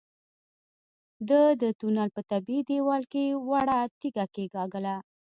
ده د تونل په طبيعي دېوال کې وړه تيږه کېکاږله.